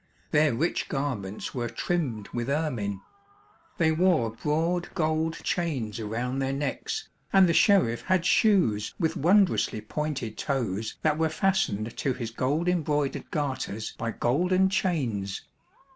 Their rich garments were trimmed with ermine. They wore broad gold chains around their necks, and the sheriff had shoes with wondrously pointed toes that were fastened to his gold embroidered garters by golden chains.